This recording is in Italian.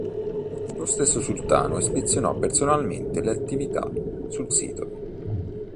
Lo stesso Sultano ispezionò personalmente le attività sul sito.